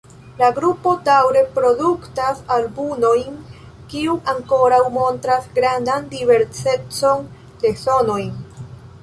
La grupo daŭre produktas albumojn kiu ankoraŭ montras grandan diversecon de sonojn.